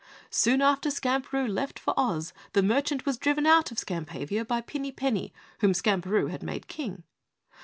"Soon after Skamperoo left for Oz, the merchant was driven out of Skampavia by Pinny Penny, whom Skamperoo had made King.